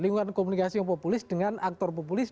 lingkungan komunikasi yang populis dengan aktor populis